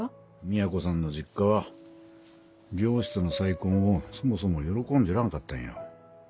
みやこさんの実家は漁師との再婚をそもそも喜んじょらんかったんよ。